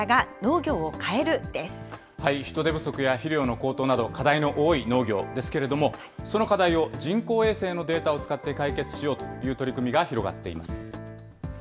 人手不足や肥料の高騰など、課題の多い農業ですけれども、その課題を人工衛星のデータを使って解決しようという取り組みが広がっています。